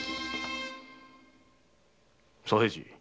左平次。